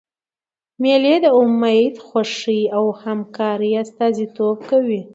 مېلې د امېد، خوښۍ او همکارۍ استازیتوب کوي.